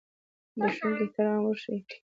د ښوونکي احترام وشي.